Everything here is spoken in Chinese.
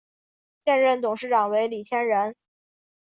现任董事长为李天任。